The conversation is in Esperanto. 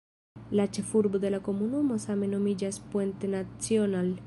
La ĉefurbo de la komunumo same nomiĝas "Puente Nacional".